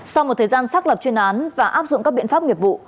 sau một thời gian xác lập chuyên án và áp dụng các biện pháp nghiệp vụ